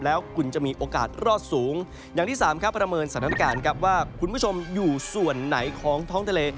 แล้วคุณจะมีโอกาสรอดสูงอย่างที่สามครับประเมินสถานการณ์ครับว่าคุณผู้ชมอยู่ส่วนไหนของท้องทะเล